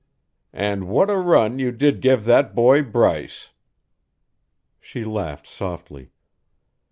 "And what a run you did give that boy Bryce!" She laughed softly.